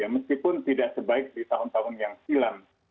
meskipun tidak sebaik di tahun tahun yang silam